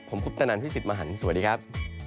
ผมคุปตะนันพี่สิทธิมหันฯสวัสดีครับ